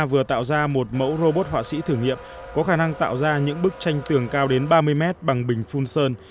vừa tạo ra một mẫu robot họa sĩ thử nghiệm có khả năng tạo ra những bức tranh tường cao đến ba mươi mét bằng bình phun sơn